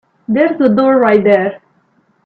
There's the door right there.